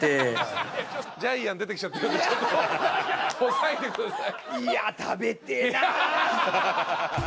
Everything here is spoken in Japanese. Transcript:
抑えてください。